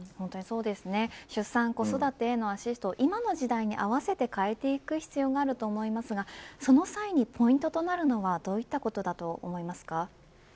出産、子育てへのアシストを今の時代に合わせて変えていく必要があると思いますがその際にポイントとなるのはどういったことだと思いますか。